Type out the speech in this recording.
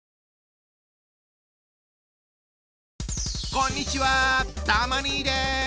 こんにちはたま兄です。